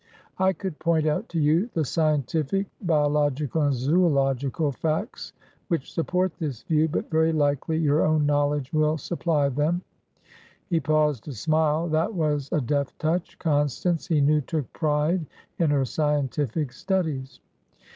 "I could point out to you the scientific (biological and zoological) facts which support this view, but very likely your own knowledge will supply them." He paused to smile. That was a deft touch. Constance, he knew, took pride in her scientific studies.